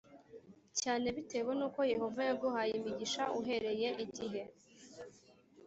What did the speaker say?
cyane bitewe n uko Yehova yaguhaye imigisha uhereye igihe